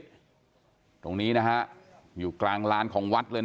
เราอยู่กลางที่เราอยู่กลางงานของวัดเลย